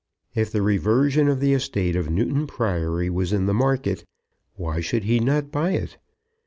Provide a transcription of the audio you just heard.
If the reversion of the estate of Newton Priory was in the market, why should he not buy it?